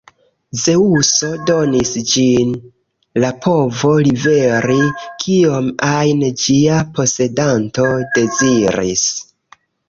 Zeŭso donis ĝin la povo liveri kiom ajn ĝia posedanto deziris.